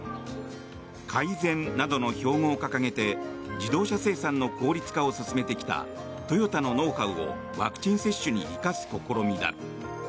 カイゼンなどの標語を掲げて自動車生産の効率化を進めてきたトヨタのノウハウをワクチン接種に生かす試みだ。